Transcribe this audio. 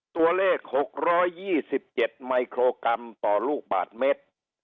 ตัวเลข๖๒๗มิโครกรัมต่อลูกบาทเมตร